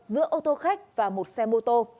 giữa ô tô khách và một xe mô tô